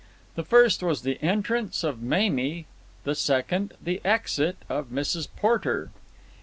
The first was the entrance of Mamie, the second the exit of Mrs. Porter.